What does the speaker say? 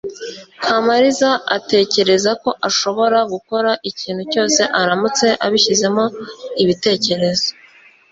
Kamaliza atekereza ko ashobora gukora ikintu cyose aramutse abishyizemo ibitekerezo.